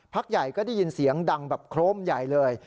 พักใหญ่ก็ได้ยินเสียงดังแบบโครมใหญ่เลย